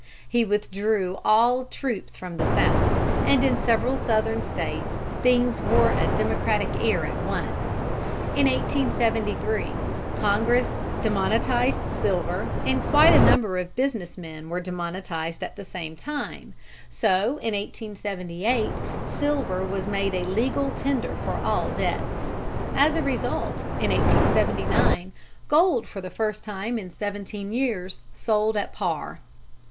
He withdrew all troops from the South, and in several Southern States things wore a Democratic air at once. In 1873 Congress demonetized silver, and quite a number of business men were demonetized at the same time; so in 1878 silver was made a legal tender for all debts. As a result, in 1879 gold for the first time in seventeen years sold at par.